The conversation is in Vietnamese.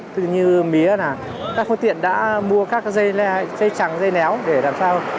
tức như mía các phương tiện đã mua các dây trắng dây néo để làm sao